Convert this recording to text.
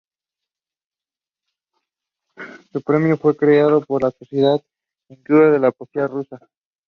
Ford is an expert on black historical fashion and culture.